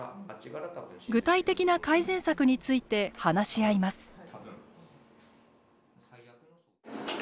具体的な改善策について話し合います。